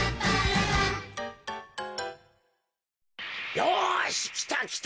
よしきたきた。